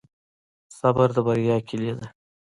صبر د بریا کیلي ده.